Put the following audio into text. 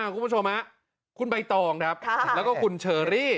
คุณผู้ชมคุณใบตองครับแล้วก็คุณเชอรี่